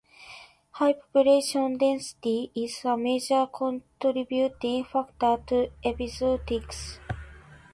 High population density is a major contributing factor to epizootics.